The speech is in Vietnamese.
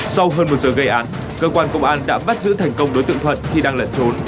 sau hơn một giờ gây án cơ quan công an đã bắt giữ thành công đối tượng thuận khi đang lẩn trốn